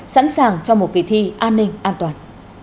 sẵn sàng cho một kỳ thi an ninh an toàn